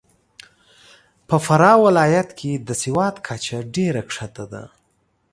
په فراه ولایت کې د سواد کچه ډېره کښته ده .